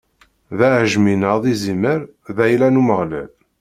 D aɛejmi neɣ d izimer, d ayla n Umeɣlal.